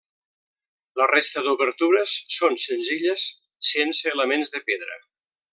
La resta d'obertures són senzilles, sense elements de pedra.